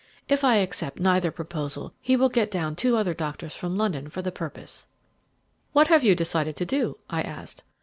If I accept neither proposal, he will get down two other doctors from London for the purpose." "What have you decided to do?" I asked.